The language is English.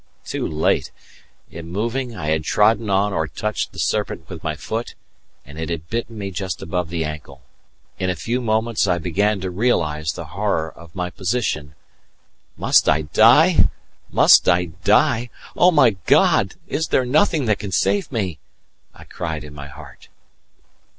too late! In moving I had trodden on or touched the serpent with my foot, and it had bitten me just above the ankle. In a few moments I began to realize the horror of my position. "Must I die! must I die! Oh, my God, is there nothing that can save me?" I cried in my heart.